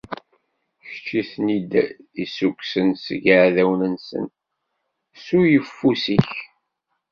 Kečč i ten-id-issukkusen seg yiɛdawen-nsen, s uyeffus-ik.